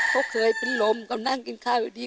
เขาเคยเป็นลมเขานั่งกินข้าวอยู่ดี